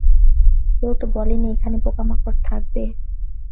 কেউ তো বলেনি এখানে পোকামাকড় থাকবে।